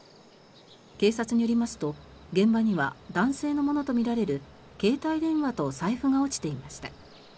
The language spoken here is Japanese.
警察によりますと現場には男性のものとみられる携帯電話と財布が落ちていました。